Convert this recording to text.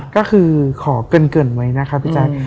ก็คือขอเกินไว้นะคะพี่แจ๊ค